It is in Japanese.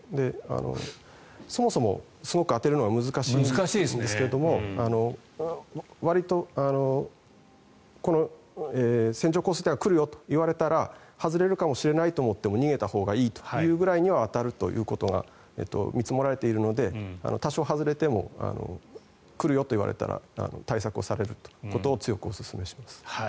そもそもすごく当てるのが難しいんですけれどもわりと線状降水帯が来るよと言われたら外れるかもしれないと思っても逃げたほうがいいというぐらいには当たるということが見積もられているので多少、外れても来るよと言われたら対策をすることを強くおすすめします。